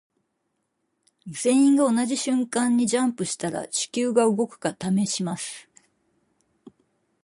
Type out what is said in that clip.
全員が同じ瞬間にジャンプしたら地球が動くか試します。